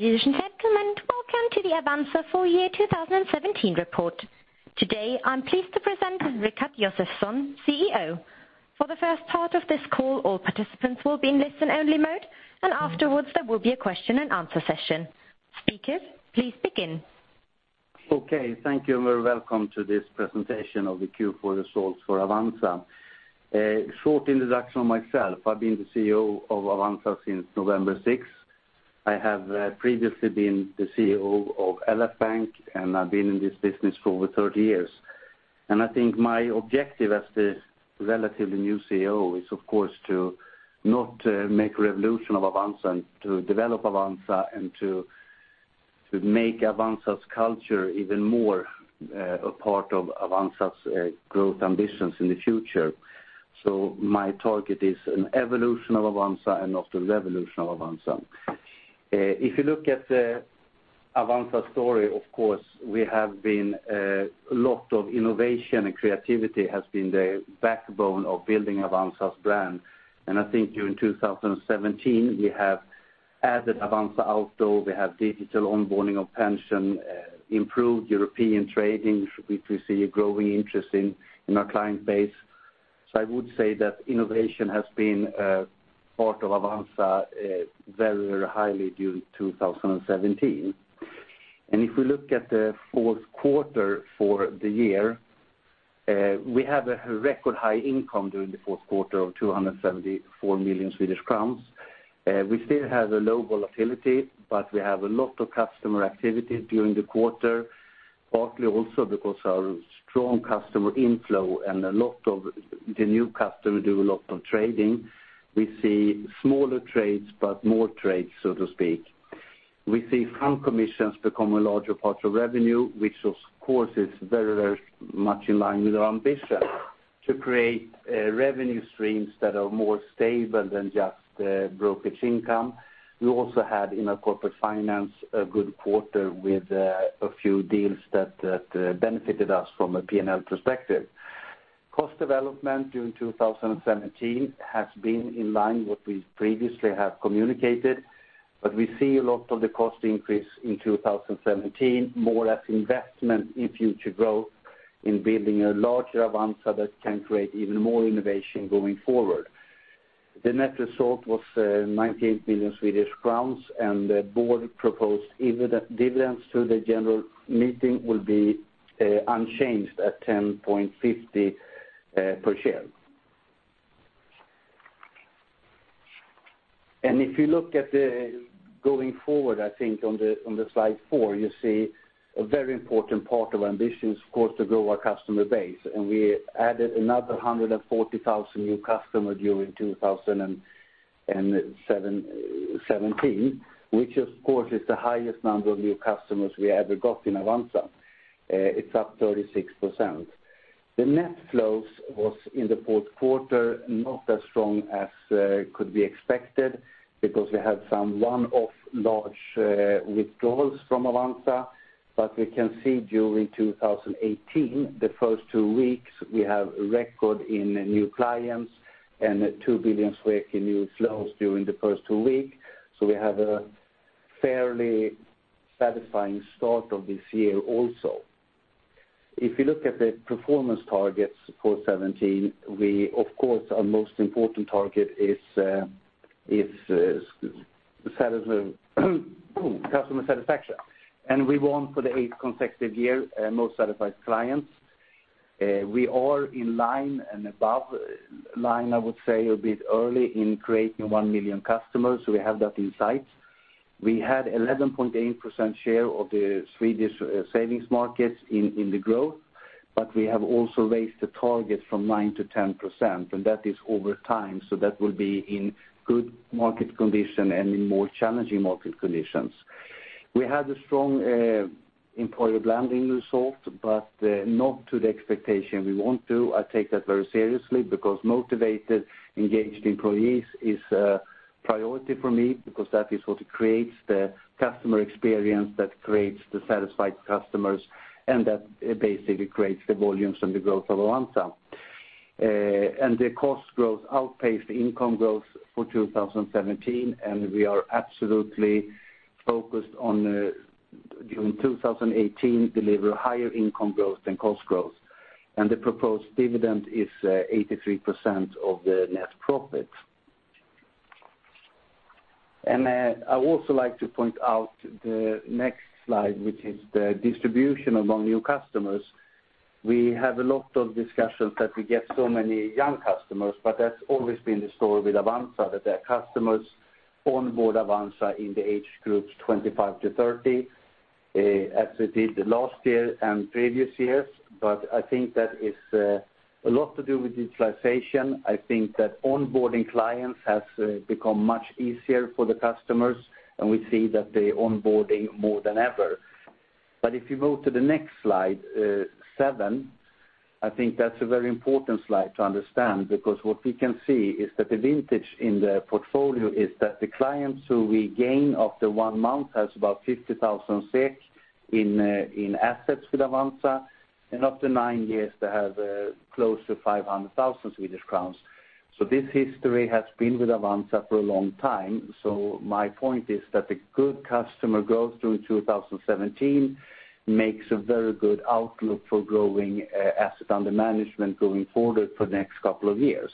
Ladies and gentlemen, welcome to the Avanza full year 2017 report. Today, I am pleased to present Rikard Josefson, CEO. For the first part of this call, all participants will be in listen-only mode, and afterwards there will be a question and answer session. Speakers, please begin. Okay, thank you, and welcome to this presentation of the Q4 results for Avanza. A short introduction of myself. I have been the CEO of Avanza since 6 November. I have previously been the CEO of LF Bank, and I have been in this business for over 30 years. I think my objective as the relatively new CEO is, of course, to not make revolution of Avanza, to develop Avanza, and to make Avanza's culture even more a part of Avanza's growth ambitions in the future. My target is an evolution of Avanza and not a revolution of Avanza. If you look at the Avanza story, of course, a lot of innovation and creativity has been the backbone of building Avanza's brand. I think during 2017, we have added Avanza Auto, we have digital onboarding of pension, improved European trading, which we see a growing interest in our client base. I would say that innovation has been a part of Avanza very highly during 2017. If we look at the fourth quarter for the year, we have a record high income during the fourth quarter of 274 million Swedish crowns. We still have a low volatility, but we have a lot of customer activity during the quarter, partly also because our strong customer inflow and the new customer do a lot of trading. We see smaller trades, but more trades, so to speak. We see fund commissions become a larger part of revenue, which of course is very much in line with our ambition to create revenue streams that are more stable than just brokerage income. We also had in our corporate finance a good quarter with a few deals that benefited us from a P&L perspective. Cost development during 2017 has been in line what we previously have communicated, but we see a lot of the cost increase in 2017, more as investment in future growth in building a larger Avanza that can create even more innovation going forward. The net result was 19 billion Swedish crowns and the board proposed dividends to the general meeting will be unchanged at 10.50 per share. If you look at going forward, I think on slide four, you see a very important part of our ambition is, of course, to grow our customer base. We added another 140,000 new customers during 2017, which of course is the highest number of new customers we ever got in Avanza. It is up 36%. The net flows was in the fourth quarter, not as strong as could be expected because we had some one-off large withdrawals from Avanza, but we can see during 2018, the first two weeks, we have a record in new clients and 2 billion SEK in new flows during the first two weeks. We have a fairly satisfying start of this year also. If you look at the performance targets for 2017, of course, our most important target is customer satisfaction. We won for the eighth consecutive year, most satisfied clients. We are in line and above line, I would say, a bit early in creating one million customers. We have that in sight. We had 11.8% share of the Swedish savings market in the growth, but we have also raised the target from 9% to 10%, and that is over time. That will be in good market condition and in more challenging market conditions. We had a strong employer branding result, not to the expectation we want to. I take that very seriously because motivated, engaged employees is a priority for me because that is what creates the customer experience that creates the satisfied customers, and that basically creates the volumes and the growth of Avanza. The cost growth outpaced income growth for 2017, and we are absolutely focused on, during 2018, deliver higher income growth than cost growth. The proposed dividend is 83% of the net profit. I also like to point out the next slide, which is the distribution among new customers. We have a lot of discussions that we get so many young customers, but that's always been the story with Avanza, that their customers onboard Avanza in the age groups 25 to 30, as we did the last year and previous years. I think that is a lot to do with digitalization. I think that onboarding clients has become much easier for the customers, and we see that they're onboarding more than ever. If you go to the next slide, seven, I think that's a very important slide to understand, because what we can see is that the vintage in the portfolio is that the clients who we gain after one month has about 50,000 SEK in assets with Avanza and up to nine years they have close to 500,000 Swedish crowns. This history has been with Avanza for a long time. My point is that the good customer growth through 2017 makes a very good outlook for growing asset under management going forward for the next couple of years.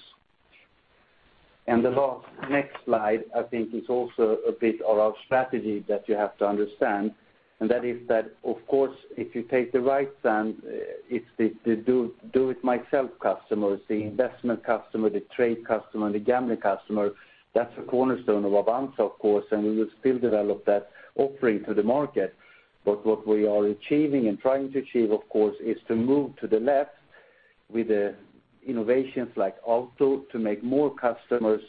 The next slide, I think is also a bit of our strategy that you have to understand, and that is that, of course, if you take the right stand, it's the do-it-yourself customers, the investment customer, the trade customer, and the gambling customer. That's a cornerstone of Avanza, of course, and we will still develop that offering to the market. What we are achieving and trying to achieve, of course, is to move to the left with innovations like Auto to make more customers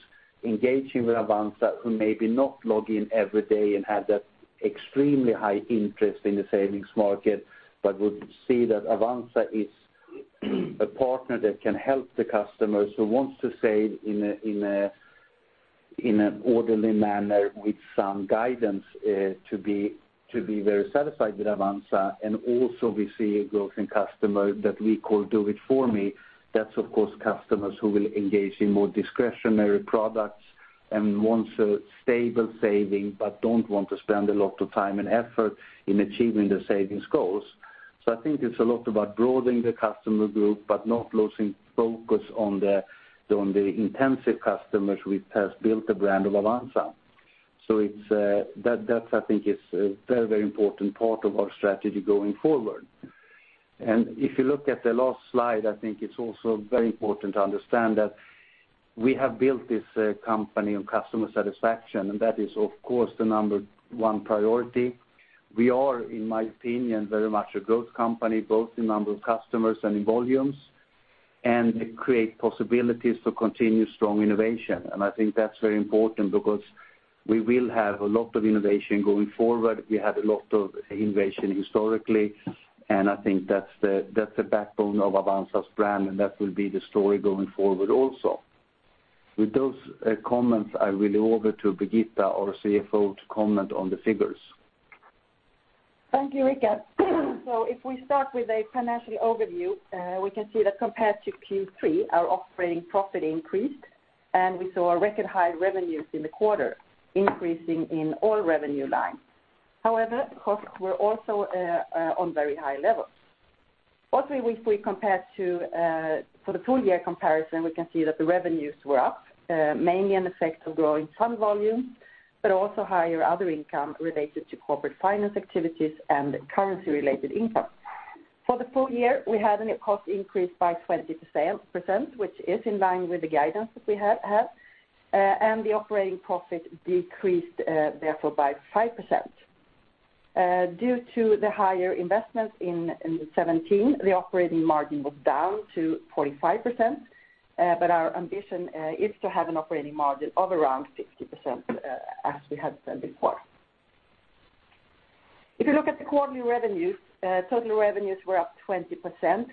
engaging with Avanza who maybe not log in every day and have that extremely high interest in the savings market, but would see that Avanza is a partner that can help the customers who wants to save in an orderly manner with some guidance to be very satisfied with Avanza. Also, we see a growth in customers that we call do it for me. That's of course, customers who will engage in more discretionary products and want a stable saving but don't want to spend a lot of time and effort in achieving their savings goals. I think it's a lot about broadening the customer group, but not losing focus on the intensive customers which has built the brand of Avanza. That I think is a very important part of our strategy going forward. If you look at the last slide, I think it's also very important to understand that we have built this company on customer satisfaction, and that is, of course, the number one priority. We are, in my opinion, very much a growth company, both in number of customers and in volumes, and create possibilities for continued strong innovation. I think that's very important because we will have a lot of innovation going forward. We have a lot of innovation historically, and I think that's the backbone of Avanza's brand, and that will be the story going forward also. With those comments, I will hand over to Birgitta, our CFO, to comment on the figures. Thank you, Rikard. If we start with a financial overview, we can see that compared to Q3, our operating profit increased, and we saw record high revenues in the quarter increasing in all revenue lines. However, costs were also on very high levels. If we compare to the full year comparison, we can see that the revenues were up, mainly an effect of growing fund volumes, but also higher other income related to corporate finance activities and currency related income. For the full year, we had a net cost increase by 20%, which is in line with the guidance that we had. The operating profit decreased therefore by 5%. Due to the higher investment in 2017, the operating margin was down to 45%, but our ambition is to have an operating margin of around 50% as we had said before. If you look at the quarterly revenues, total revenues were up 20%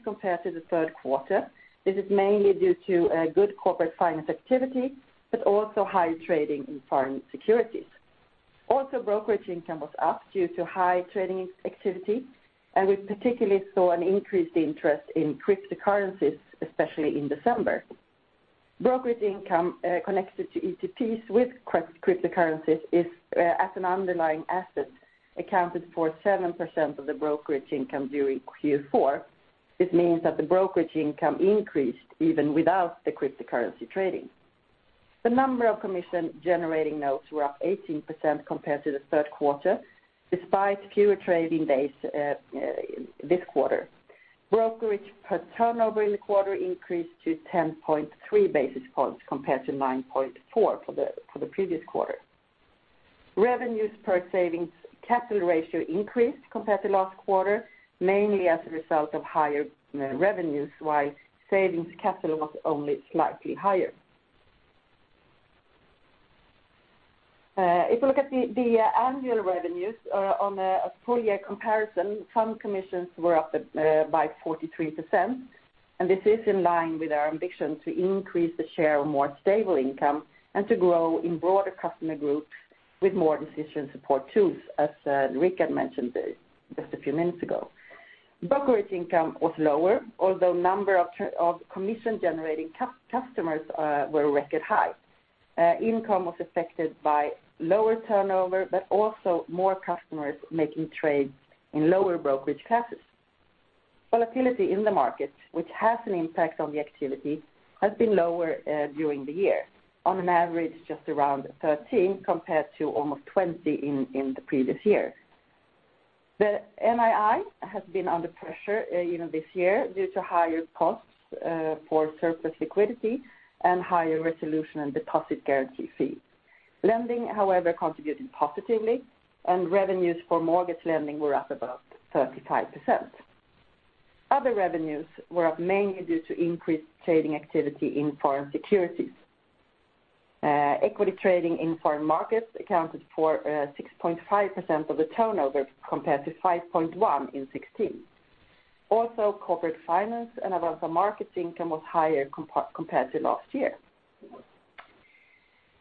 compared to the third quarter. This is mainly due to good corporate finance activity, but also high trading in foreign securities. Brokerage income was up due to high trading activity, and we particularly saw an increased interest in cryptocurrencies, especially in December. Brokerage income connected to ETPs with cryptocurrencies as an underlying asset accounted for 7% of the brokerage income during Q4. This means that the brokerage income increased even without the cryptocurrency trading. The number of commission generating notes were up 18% compared to the third quarter, despite fewer trading days this quarter. Brokerage turnover in the quarter increased to 10.3 basis points compared to 9.4 for the previous quarter. Revenues per savings capital ratio increased compared to last quarter, mainly as a result of higher revenues, while savings capital was only slightly higher. If you look at the annual revenues on a full year comparison, fund commissions were up by 43%, and this is in line with our ambition to increase the share of more stable income and to grow in broader customer groups with more decision support tools, as Rikard mentioned just a few minutes ago. Brokerage income was lower, although number of commission-generating customers were a record high. Income was affected by lower turnover, but also more customers making trades in lower brokerage classes. Volatility in the market, which has an impact on the activity, has been lower during the year. On an average, just around 13 compared to almost 20 in the previous year. NII has been under pressure this year due to higher costs for surplus liquidity and higher resolution and deposit guarantee fees. Lending, however, contributed positively, and revenues for mortgage lending were up about 35%. Other revenues were up mainly due to increased trading activity in foreign securities. Equity trading in foreign markets accounted for 6.5% of the turnover, compared to 5.1% in 2016. Also, corporate finance and Avanza Markets income was higher compared to last year.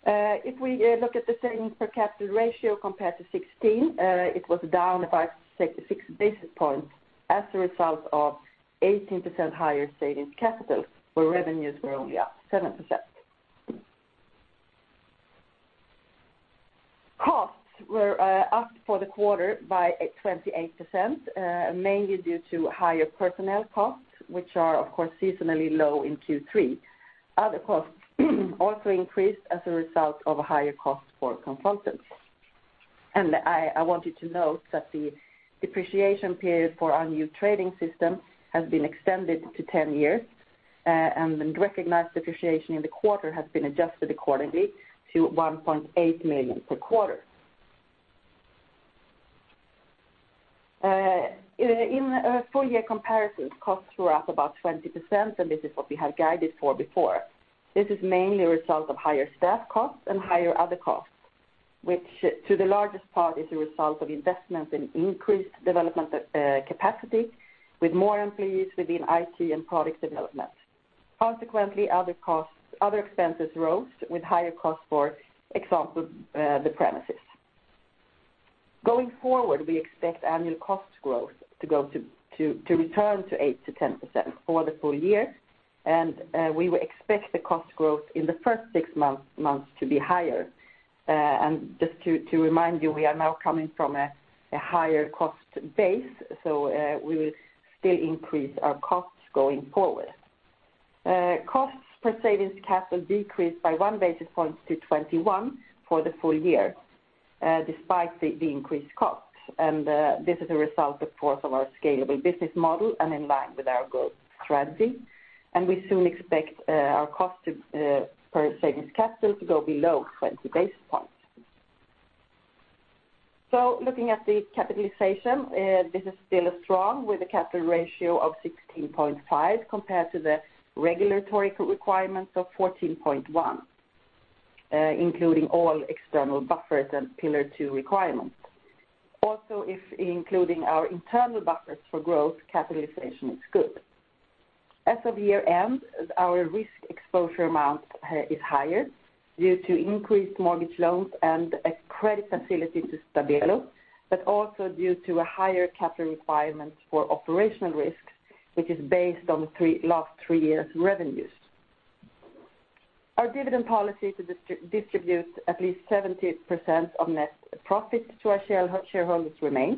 If we look at the savings per capital ratio compared to 2016, it was down by 66 basis points as a result of 18% higher savings capital where revenues were only up 7%. Costs were up for the quarter by 28%, mainly due to higher personnel costs, which are, of course, seasonally low in Q3. Other costs also increased as a result of higher costs for consultants. I want you to note that the depreciation period for our new trading system has been extended to 10 years, and the recognized depreciation in the quarter has been adjusted accordingly to 1.8 million per quarter. In full year comparisons, costs were up about 20%, and this is what we had guided for before. This is mainly a result of higher staff costs and higher other costs, which to the largest part is a result of investments in increased development capacity with more employees within IT and product development. Consequently, other expenses rose with higher costs, for example, the premises. Going forward, we expect annual cost growth to return to 8%-10% for the full year, and we will expect the cost growth in the first six months to be higher. Just to remind you, we are now coming from a higher cost base, so we will still increase our costs going forward. Costs per savings capital decreased by one basis point to 21 for the full year, despite the increased costs. This is a result, of course, of our scalable business model and in line with our growth strategy. We soon expect our cost per savings capital to go below 20 basis points. Looking at the capitalization, this is still strong with a capital ratio of 16.5% compared to the regulatory requirements of 14.1%, including all external buffers and Pillar 2 requirements. Also, including our internal buffers for growth capitalization is good. As of year-end, our risk exposure amount is higher due to increased mortgage loans and a credit facility to Stabelo, but also due to a higher capital requirement for operational risks, which is based on the last three years' revenues. Our dividend policy to distribute at least 70% of net profit to our shareholders remains,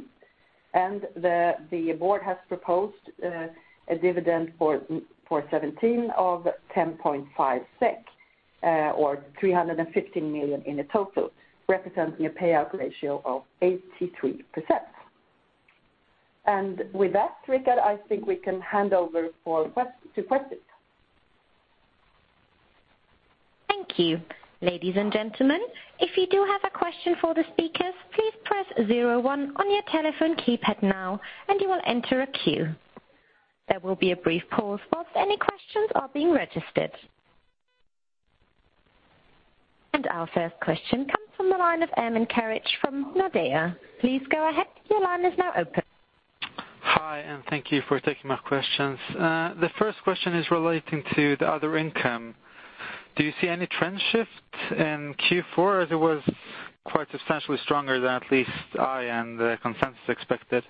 the board has proposed a dividend for 2017 of 10.5 SEK or 315 million in total, representing a payout ratio of 83%. With that, Rikard, I think we can hand over to questions. Thank you. Ladies and gentlemen, if you do have a question for the speakers, please press 01 on your telephone keypad now and you will enter a queue. There will be a brief pause whilst any questions are being registered. Our first question comes from the line of Ermin Keric from Nordea. Please go ahead. Your line is now open. Hi, thank you for taking my questions. The first question is relating to the other income. Do you see any trend shifts in Q4 as it was quite substantially stronger than at least I and the consensus expected?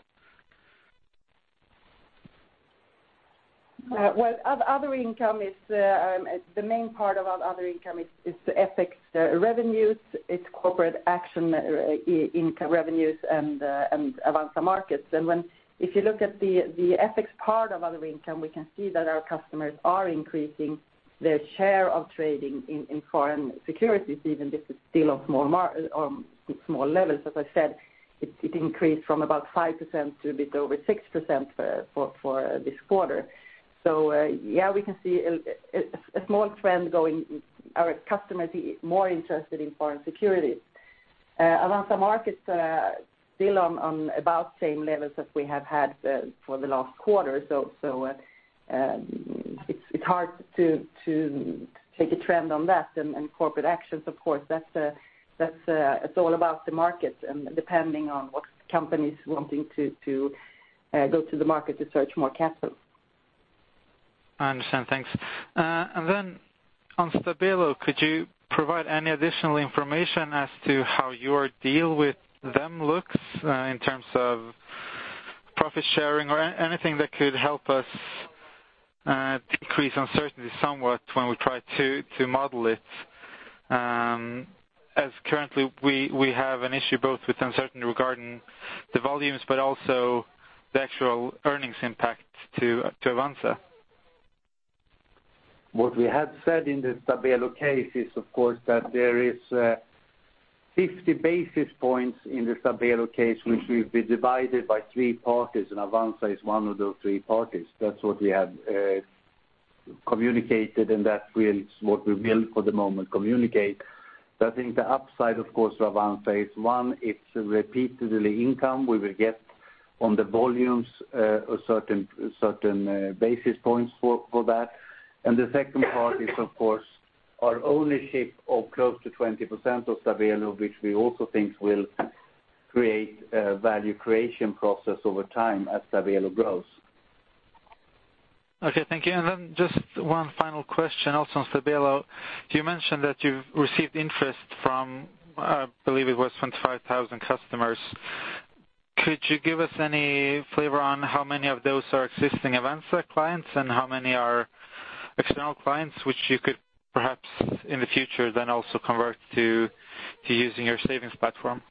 Well, the main part of our other income is FX revenues, it's corporate action income revenues and Avanza Markets. If you look at the FX part of other income, we can see that our customers are increasing their share of trading in foreign securities, even if it's still on small levels. As I said, it increased from about 5% to a bit over 6% for this quarter. Yeah, we can see a small trend going our customers more interested in foreign securities. Avanza Markets still on about same levels as we have had for the last quarter. It's hard to take a trend on that. Corporate actions, of course, that's all about the markets and depending on what companies wanting to go to the market to search more capital. I understand, thanks. Then on Stabelo, could you provide any additional information as to how your deal with them looks in terms of profit sharing or anything that could help us decrease uncertainty somewhat when we try to model it? As currently we have an issue both with uncertainty regarding the volumes but also the actual earnings impact to Avanza. What we have said in the Stabelo case is, of course, that there is 50 basis points in the Stabelo case which will be divided by three parties, and Avanza is one of those three parties. That's what we have communicated, and that's what we will for the moment communicate. I think the upside, of course, to Avanza is, one, it's repeatedly income we will get on the volumes a certain basis points for that. The second part is, of course, our ownership of close to 20% of Stabelo, which we also think will create a value creation process over time as Stabelo grows. Okay, thank you. Then just one final question also on Stabelo. You mentioned that you've received interest from, I believe it was 25,000 customers. Could you give us any flavor on how many of those are existing Avanza clients and how many are external clients, which you could perhaps in the future then also convert to using your savings platform?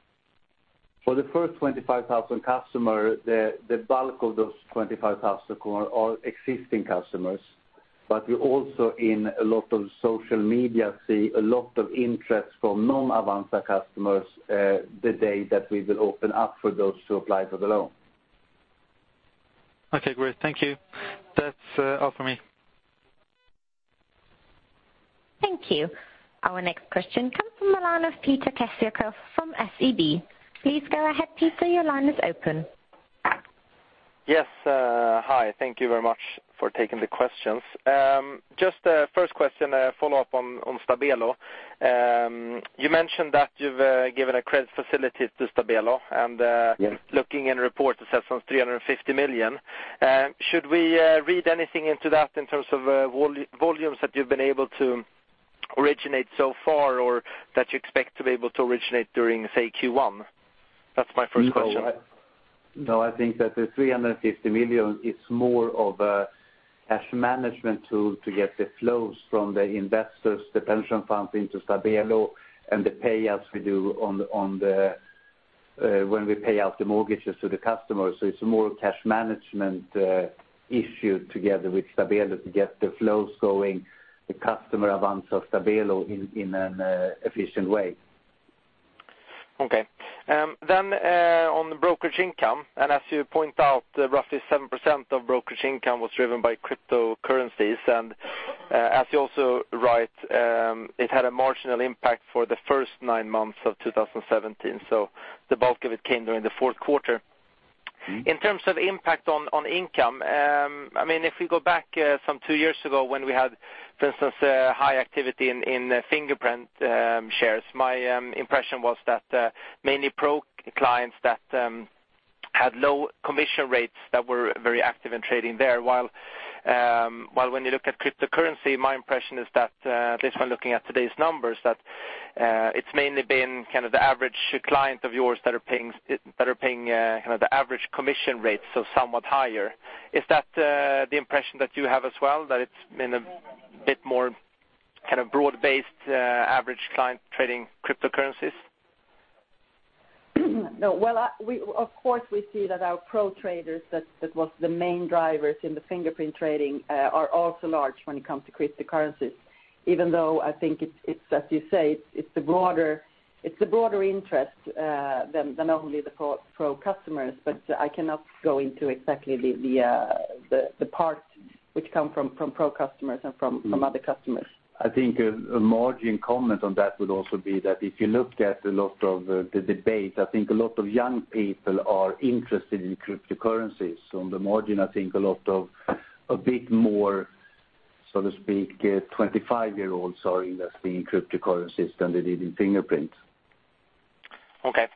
For the first 25,000 customers, the bulk of those 25,000 customers are existing customers. We also in a lot of social media see a lot of interest from non-Avanza customers the day that we will open up for those to apply for the loan. Okay, great. Thank you. That's all for me. Thank you. Our next question comes from the line of Peter Kessiakoff from SEB. Please go ahead Peter, your line is open. Yes. Hi, thank you very much for taking the questions. Just a first question, a follow-up on Stabelo. You mentioned that you've given a credit facility to Stabelo. Yes looking in reports it says some 350 million. Should we read anything into that in terms of volumes that you've been able to originate so far or that you expect to be able to originate during, say, Q1? That's my first question. No, I think that the 350 million is more of a cash management tool to get the flows from the investors, the pension funds into Stabelo and the payouts we do when we pay out the mortgages to the customers. It's more cash management issue together with Stabelo to get the flows going, the customer advances Stabelo in an efficient way. Okay. On brokerage income, as you point out, roughly 7% of brokerage income was driven by cryptocurrencies. As you also write, it had a marginal impact for the first nine months of 2017. The bulk of it came during the fourth quarter. In terms of impact on income, if we go back some two years ago when we had, for instance, high activity in Fingerprint shares, my impression was that mainly Pro customers that had low commission rates that were very active in trading there. While when you look at cryptocurrency, my impression is that, at least when looking at today's numbers, that it's mainly been the average client of yours that are paying the average commission rate, so somewhat higher. Is that the impression that you have as well, that it's been a bit more broad-based average client trading cryptocurrencies? Well, of course we see that our Pro customers that was the main drivers in the Fingerprint trading are also large when it comes to cryptocurrencies, even though I think it's as you say, it's a broader interest than only the Pro customers. I cannot go into exactly the parts which come from Pro customers and from other customers. I think a margin comment on that would also be that if you look at a lot of the debate, I think a lot of young people are interested in cryptocurrencies. On the margin, I think a bit more, so to speak, 25-year-olds are investing in cryptocurrencies than they did in Fingerprint. Okay.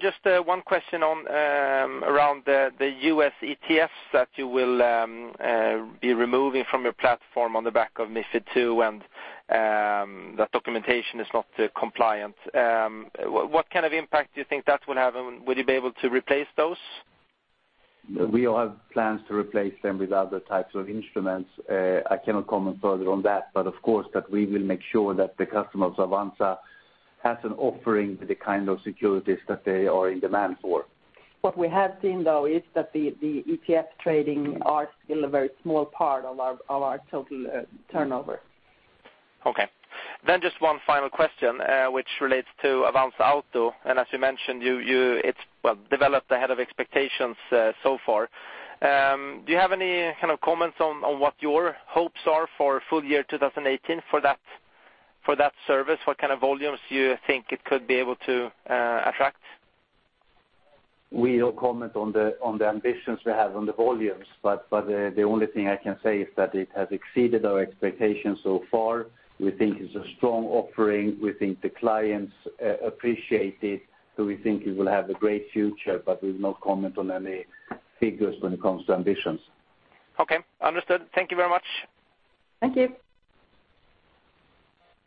Just one question around the U.S. ETFs that you will be removing from your platform on the back of MiFID II and that documentation is not compliant. What kind of impact do you think that will have, and will you be able to replace those? We have plans to replace them with other types of instruments. I cannot comment further on that, but of course, that we will make sure that the customers of Avanza has an offering for the kind of securities that they are in demand for. What we have seen though is that the ETF trading are still a very small part of our total turnover. Okay. Just one final question which relates to Avanza Auto, as you mentioned, it's developed ahead of expectations so far. Do you have any comments on what your hopes are for full year 2018 for that service? What kind of volumes do you think it could be able to attract? We don't comment on the ambitions we have on the volumes, the only thing I can say is that it has exceeded our expectations so far. We think it's a strong offering. We think the clients appreciate it, we think it will have a great future. We will not comment on any figures when it comes to ambitions. Okay, understood. Thank you very much. Thank you.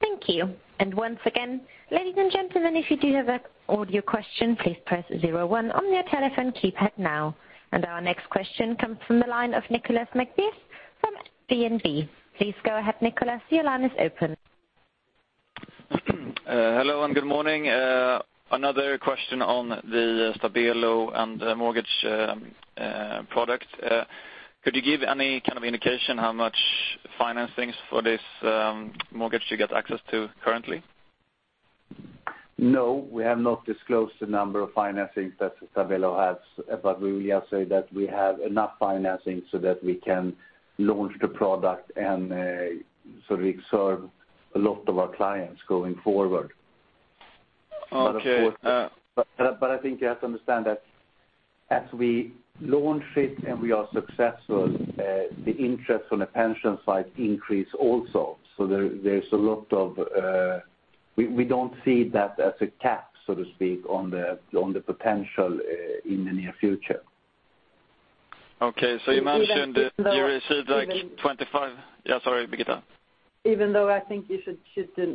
Thank you. Once again, ladies and gentlemen, if you do have an audio question, please press zero one on your telephone keypad now. Our next question comes from the line of Nicolas McBeath from DNB. Please go ahead, Nicolas, your line is open. Hello and good morning. Another question on the Stabelo and mortgage product. Could you give any kind of indication how much financings for this mortgage you get access to currently? No, we have not disclosed the number of financings that Stabelo has. We will say that we have enough financing so that we can launch the product and so we serve a lot of our clients going forward. Okay. I think you have to understand that as we launch it and we are successful, the interest on the pension side increase also. We don't see that as a cap, so to speak, on the potential in the near future. Okay. You mentioned you received like 25. Sorry, Birgitta. I think you should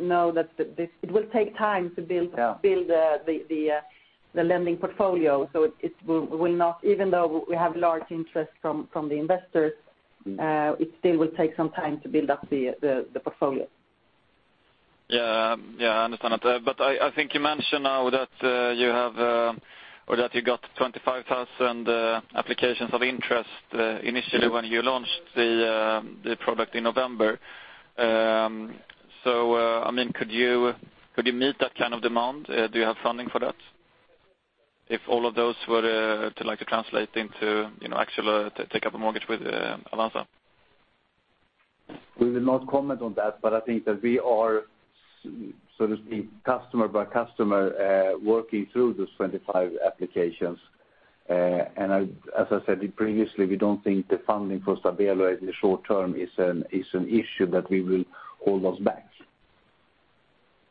know that it will take time to build the lending portfolio. Even though we have large interest from the investors, it still will take some time to build up the portfolio. Yeah, I understand that. I think you mentioned now that you got 25,000 applications of interest initially when you launched the product in November. Could you meet that kind of demand? Do you have funding for that? If all of those were to translate into actual take up a mortgage with Avanza. We will not comment on that, but I think that we are, so to speak, customer by customer, working through those 25 applications. As I said previously, we don't think the funding for Stabelo in the short term is an issue that we will hold us back.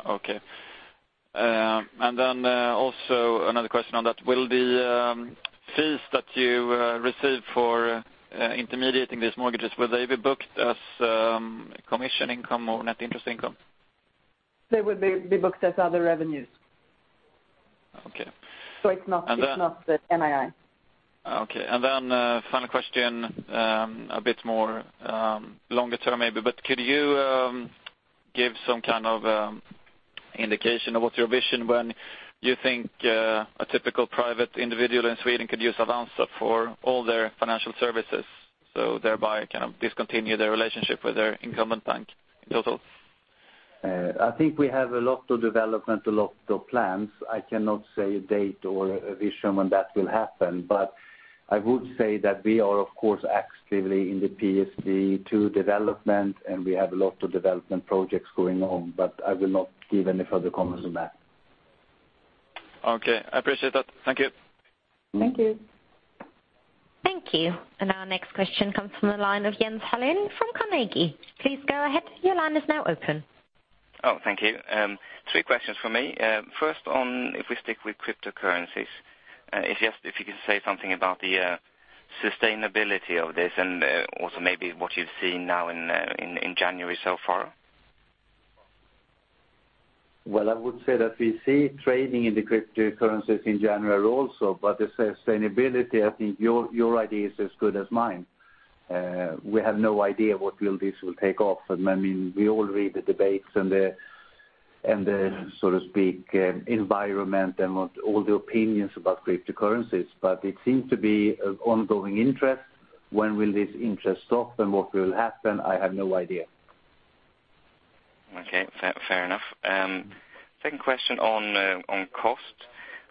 Okay. Also another question on that. Will the fees that you receive for intermediating these mortgages, will they be booked as commission income or net interest income? They would be booked as other revenues. Okay. It's not the NII. Okay. Final question, a bit more longer term maybe, but could you give some kind of indication of what your vision when you think a typical private individual in Sweden could use Avanza for all their financial services, thereby discontinue their relationship with their incumbent bank in total? I think we have a lot of development, a lot of plans. I cannot say a date or a vision when that will happen. I would say that we are, of course, actively in the PSD2 development and we have a lot of development projects going on. I will not give any further comments on that. Okay, I appreciate that. Thank you. Thank you. Thank you. Our next question comes from the line of Jens Hallén from Carnegie. Please go ahead. Your line is now open. Oh, thank you. Three questions for me. First, if we stick with cryptocurrencies, if you could say something about the sustainability of this and also maybe what you've seen now in January so far. Well, I would say that we see trading in the cryptocurrencies in January also, but the sustainability, I think your idea is as good as mine. We have no idea what will this take off. We all read the debates and the, so to speak, environment and all the opinions about cryptocurrencies, but it seems to be of ongoing interest. When will this interest stop and what will happen? I have no idea. Okay, fair enough. Second question on cost.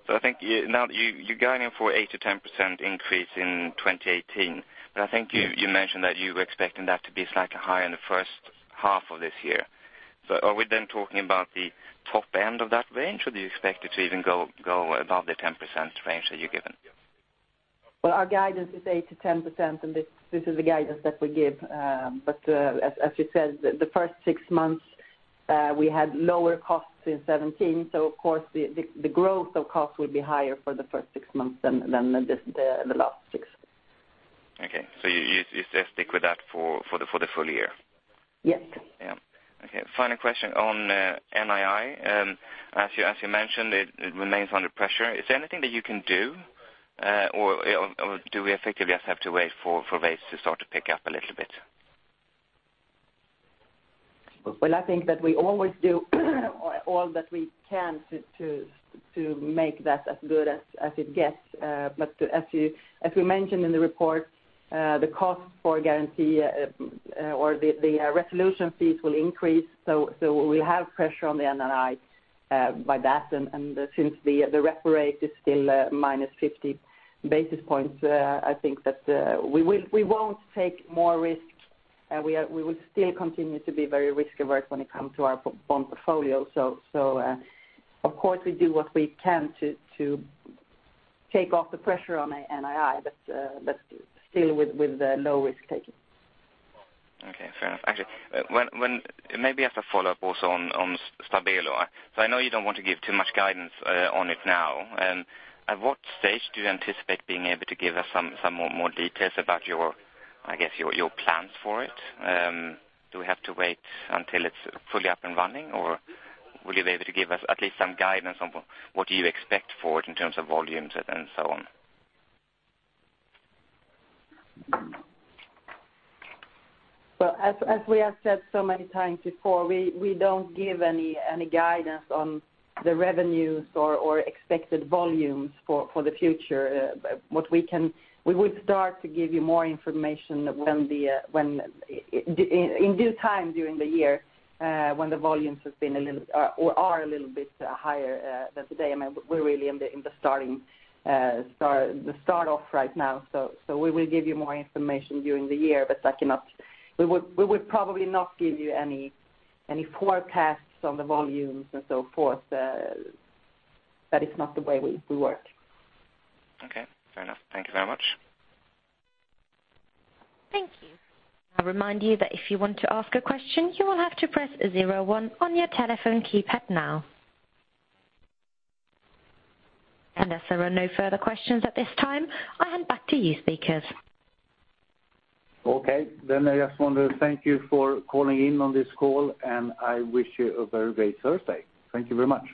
I think now you're guiding for 8%-10% increase in 2018. I think you mentioned that you were expecting that to be slightly higher in the first half of this year. Are we then talking about the top end of that range, or do you expect it to even go above the 10% range that you're given? Well, our guidance is 8%-10%, and this is the guidance that we give. As you said, the first six months, we had lower costs in 2017. Of course, the growth of cost will be higher for the first six months than the last six. Okay. You still stick with that for the full year? Yes. Yeah. Okay. Final question on NII. As you mentioned, it remains under pressure. Is there anything that you can do? Do we effectively just have to wait for rates to start to pick up a little bit? Well, I think that we always do all that we can to make that as good as it gets. As we mentioned in the report, the cost for guarantee or the resolution fees will increase. We'll have pressure on the NII by that. Since the repo rate is still minus 50 basis points, I think that we won't take more risks. We will still continue to be very risk-averse when it comes to our bond portfolio. Of course, we do what we can to take off the pressure on NII, but still with low risk-taking. Okay. Fair enough. Actually, maybe as a follow-up also on Stabelo. I know you don't want to give too much guidance on it now. At what stage do you anticipate being able to give us some more details about your plans for it? Do we have to wait until it's fully up and running, or will you be able to give us at least some guidance on what you expect for it in terms of volumes and so on? Well, as we have said so many times before, we don't give any guidance on the revenues or expected volumes for the future. We will start to give you more information in due time during the year when the volumes are a little bit higher than today. We're really in the start-off right now. We will give you more information during the year, but we would probably not give you any forecasts on the volumes and so forth. That is not the way we work. Okay. Fair enough. Thank you very much. Thank you. I'll remind you that if you want to ask a question, you will have to press zero one on your telephone keypad now. Unless there are no further questions at this time, I'll hand back to you speakers. Okay. I just want to thank you for calling in on this call, I wish you a very great Thursday. Thank you very much.